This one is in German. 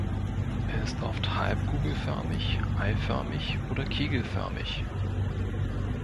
Er ist oft halbkugelförmig, eiförmig oder kegelförmig.